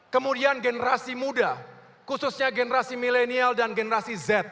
kemudian generasi muda khususnya generasi milenial dan generasi z